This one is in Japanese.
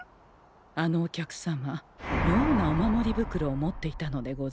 あのお客様みょうなお守り袋を持っていたのでござんす。